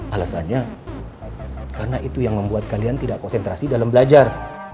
alasannya karena itu yang membuat kalian tidak konsentrasi dalam belajar